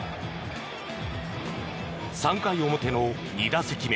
３回表の２打席目。